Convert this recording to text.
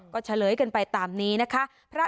ก็เฉลยกันไปตามนี้นะคะ